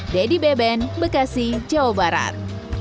dedy beben bekasi jawa barat